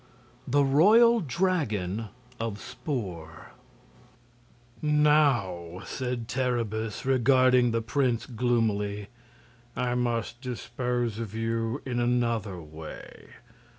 The Royal Dragon of Spor "Now," said Terribus, regarding the prince gloomily, "I must dispose of you in another way."